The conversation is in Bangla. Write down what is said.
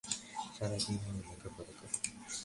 সারাদিন ও লেখাপড়া করে!